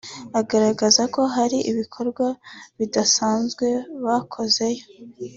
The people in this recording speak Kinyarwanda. agaragaza ko hari ibikorwa bidasanzwe bakozeyo